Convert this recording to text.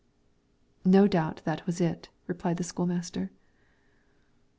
"No doubt that was it," replied the school master.